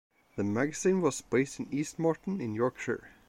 The magazine was based in East Morton in Yorkshire.